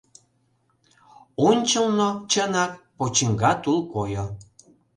Ончылно, чынак, почиҥга тул койо.